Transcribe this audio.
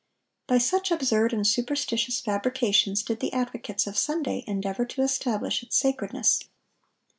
By such absurd and superstitious fabrications did the advocates of Sunday endeavor to establish its sacredness.